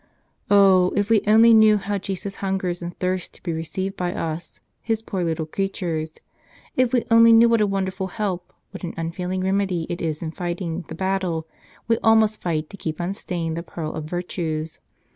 Oh, if we only knew how Jesus hungers and thirsts to be received by us, His poor little creatures! If we only knew what a wonderful help, what an unfailing remedy it is in fighting the battle we all must fight to keep unstained the pearl of virtues.